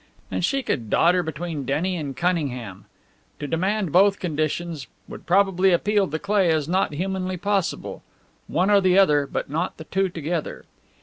And she could dodder between Denny and Cunningham! To demand both conditions would probably appeal to Cleigh as not humanly possible. One or the other, but not the two together.